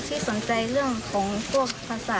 ที่สนใจเรื่องของพวกภาษา